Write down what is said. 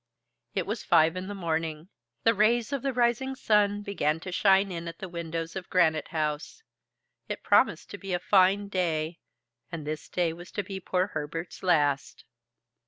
It was five in the morning. The rays of the rising sun began to shine in at the windows of Granite House. It promised to be a fine day, and this day was to be poor Herbert's last!